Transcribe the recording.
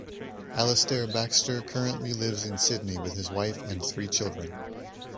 Alistair Baxter currently lives in Sydney with his wife and three children.